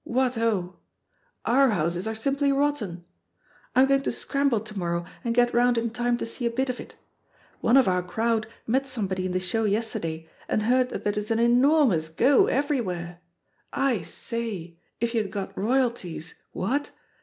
What ho! {Our houses are simply rotten.) I'm going to scramble to morrow and get round in time to see a bit of it. One of our crowd met somebody in the show yesterday and heard that it is an enormous go everywhere. I say! if you had got royalties — ^what?